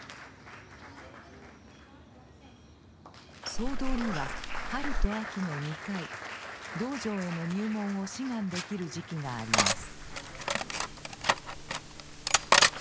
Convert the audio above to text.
僧堂には春と秋の２回道場への入門を志願できる時期があります。